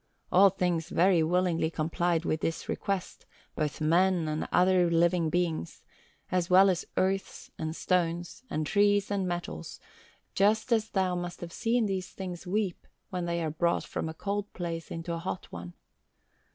All things very willingly complied with this request, both men and every other living being, as well as earths and stones, and trees and metals, just as thou must have seen these things weep when they are brought from a cold place into a hot one.